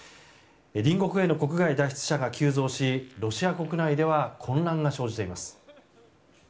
隣国への国外脱出者が急増しロシア国内では混乱が生じています。